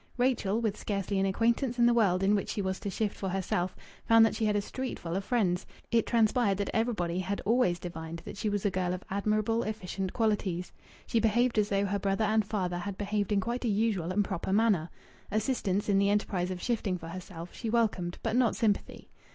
Rachel, with scarcely an acquaintance in the world in which she was to shift for herself, found that she had a streetful of friends! It transpired that everybody had always divined that she was a girl of admirable efficient qualities. She behaved as though her brother and father had behaved in quite a usual and proper manner. Assistance in the enterprise of shifting for herself she welcomed, but not sympathy.